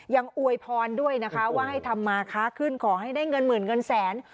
อวยพรด้วยนะคะว่าให้ทำมาค้าขึ้นขอให้ได้เงินหมื่นเงินแสน